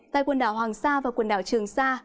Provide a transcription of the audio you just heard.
tại quần đảo hoàng sa và quần đảo trường sa